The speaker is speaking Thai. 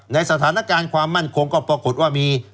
ในสถานการณ์ความมั่นคงก็ปรากฏว่ามี